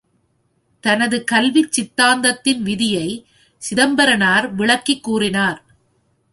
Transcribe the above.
தனது கல்விச் சித்தாந்தத்தின் விதியை சிதம்பரனார் விளக்கிக் கூறினார்.